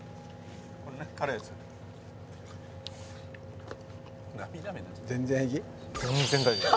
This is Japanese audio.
これね辛いやつ全然平気？